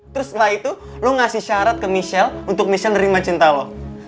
terus setelah itu lo ngasih syarat ke michelle untuk michel nerima cinta lo